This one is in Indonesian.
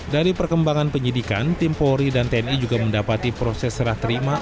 dari perkembangan penyidikan tim polri dan tni juga mendapati proses serah terima